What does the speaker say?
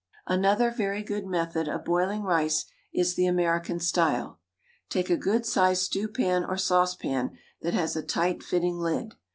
Another very good method of boiling rice is the American style. Take a good sized stew pan or saucepan that has a tight fitting lid.